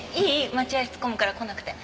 待合室混むから来なくて。